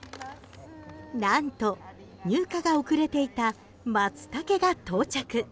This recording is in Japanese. なんと入荷が遅れていたマツタケが到着。